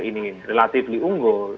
ini relatif diunggul